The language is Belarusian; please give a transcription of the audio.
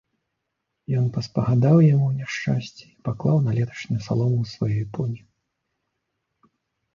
Ён паспагадаў яму ў няшчасці і паклаў на леташнюю салому ў сваёй пуні.